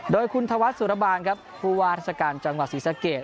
โดยคุณธวัฒนสุรบาลครับผู้ว่าราชการจังหวัดศรีสะเกด